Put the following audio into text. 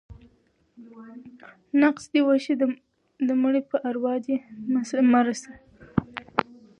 ـ نقص دې وشه ، د مړي په اروا دې مه رسه.